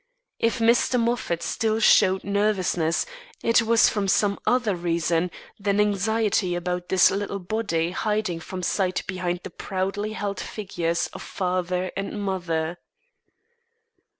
If Mr. Moffat still showed nervousness, it was for some other reason than anxiety about this little body hiding from sight behind the proudly held figures of father and mother.